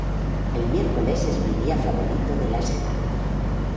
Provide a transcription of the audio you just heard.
El miércoles es mi día favorito de la semana.